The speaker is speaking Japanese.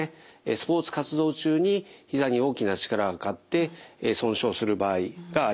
スポーツ活動中にひざに大きな力がかかって損傷する場合があります。